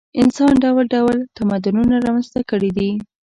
انسان ډول ډول تمدنونه رامنځته کړي دي.